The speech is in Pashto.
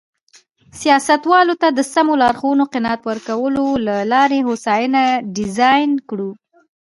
سیاستوالو ته د سمو لارښوونو قناعت ورکولو له لارې هوساینه ډیزاین کړو.